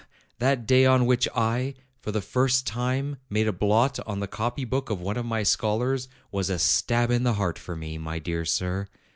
that day on which I, for the first time, made a blot on the copy book of one of my scholars was a stab in the heart for me, my dear sir.